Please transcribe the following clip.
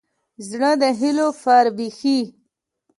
زړه د هيلو پار بښي.